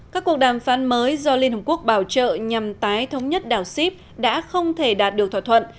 các cuộc đàm phán mới do liên hợp quốc bảo trợ nhằm tái thống nhất đảo sip đã không thể đạt được thỏa thuận